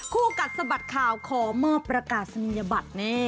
คู่กัดสะบัดข่าวขอเมอร์ประกาศนียบัตรเนี่ย